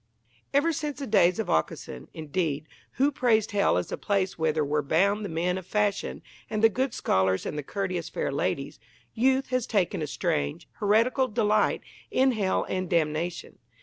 Ever since the days of Aucassin, indeed, who praised hell as the place whither were bound the men of fashion and the good scholars and the courteous fair ladies, youth has taken a strange, heretical delight in hell and damnation.